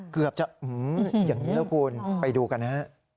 เกือบจะอย่างนี้แล้วคุณไปดูกันฮะ